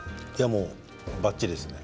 もう、ばっちりですね。